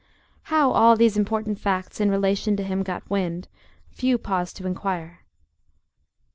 How all these important facts in relation to him got wind few paused to inquire.